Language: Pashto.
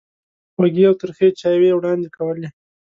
خوږې او ترخې چایوې وړاندې کولې.